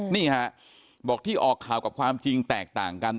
นี่ฮะบอกที่ออกข่าวกับความจริงแตกต่างกัน